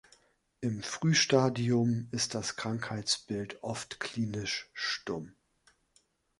Im Frühstadium ist das Krankheitsbild oft klinisch stumm.